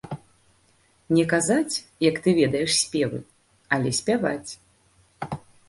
Не казаць, як ты ведаеш спевы, але спяваць.